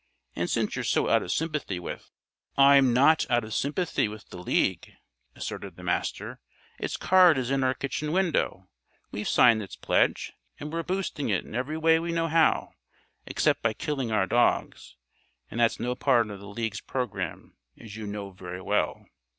And since you're so out of sympathy with " "I'm not out of sympathy with the League," asserted the Master. "Its card is in our kitchen window. We've signed its pledge and we're boosting it in every way we know how, except by killing our dogs; and that's no part of the League's programme, as you know very well.